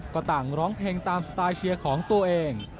ก็ต่างร้องเพลงตามสไตล์เชียร์ของตัวเอง